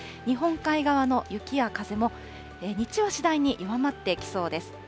日本海側の雪や風も、日中は次第に弱まってきそうです。